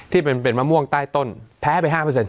ที่เป็นมะม่วงใต้ต้นแพ้ไป๕